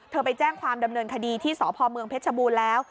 ไปแจ้งความดำเนินคดีที่สพเมืองเพชรชบูรณ์แล้ว